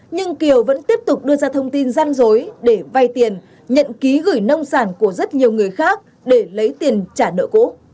nhưng kiều vẫn tiếp tục đưa ra thông tin gian dối để vay tiền nhận ký gửi nông sản của rất nhiều người khác để lấy tiền trả nợ cũ